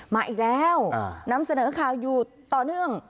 มาอีกแล้วนำเสนอข่าวอยู่ต่อเนื่อง